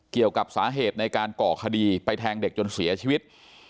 เกี่ยวกับสาเหตุในการก่อคดีไปแทงเด็กจนเสียชีวิต